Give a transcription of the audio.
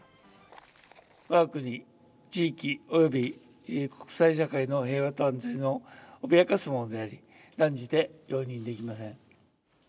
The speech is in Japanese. わが国地域および国際社会の平和と安全を脅かすものであり、断じて容認できません。